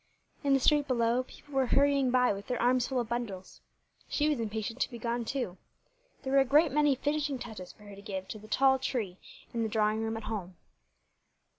In the street below people were hurrying by with their arms full of bundles. She was impatient to be gone, too. There were a great many finishing touches for her to give the tall tree in the drawing room at home.